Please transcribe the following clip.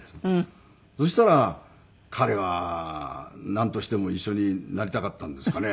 そしたら彼はなんとしても一緒になりたかったんですかね。